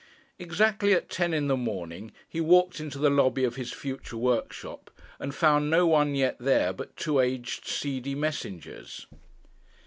Exactly at ten in the morning he walked into the lobby of his future workshop, and found no one yet there but two aged seedy messengers.